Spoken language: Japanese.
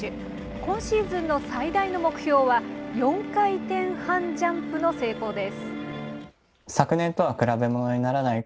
今シーズンの最大の目標は、４回転半ジャンプの成功です。